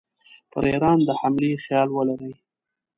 پر ایران د حملې خیال ولري.